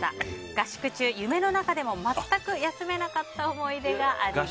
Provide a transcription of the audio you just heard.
合宿中、夢の中でも全く休めなかった思い出があります。